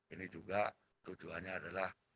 ini juga tujuannya adalah